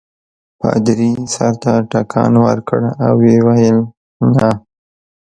پادري سر ته ټکان ورکړ او ویې ویل نه.